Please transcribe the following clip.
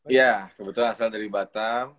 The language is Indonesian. iya kebetulan asal dari batam